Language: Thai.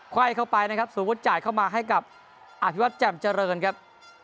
ไวเข้าไปนะครับสมมุติจ่ายเข้ามาให้กับอภิวัตรแจ่มเจริญครับ